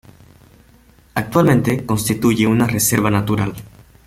Actualmente, constituye una reserva natural.